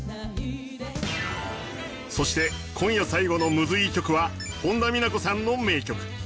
そして今夜最後のムズいい曲は本田美奈子．さんの名曲。